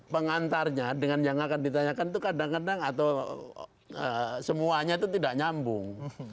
pengantarnya dengan yang akan ditanyakan itu kadang kadang atau semuanya itu tidak nyambung